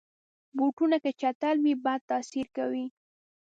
بوټونه که چټل وي، بد تاثیر کوي.